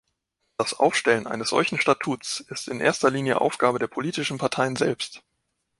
Das Aufstellen eines solchen Statuts ist in erster Linie Aufgabe der politischen Parteien selbst.